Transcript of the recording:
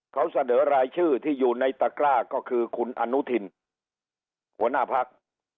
เขาเสนอรายชื่อที่อยู่ในตะกร้าก็คือคุณอนุทินหัวหน้าพัก